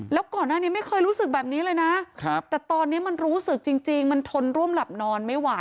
แล้วก่อนหน้านี้ไม่เคยรู้สึกแบบนี้เลยนะแต่ตอนนี้มันรู้สึกจริงมันทนร่วมหลับนอนไม่ไหว